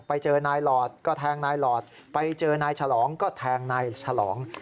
ไปเจอนายหลอดก็แทงนายหลอดไปเจอนายฉลองก็แทงนายฉลอง